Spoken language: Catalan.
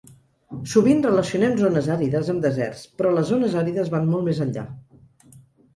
Sovint relacionem zones àrides amb deserts, però les zones àrides van molt més enllà.